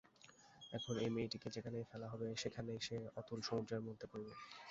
এখন এই মেয়েটিকে যেখানেই ফেলা হইবে সেখানেই সে অতল সমুদ্রের মধ্যে পড়িবে।